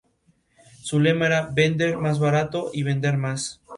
Los sucesores de Simeón no fueron capaces de mantener la posición de su padre.